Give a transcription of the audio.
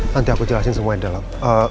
nanti aku jelasin semuanya dalam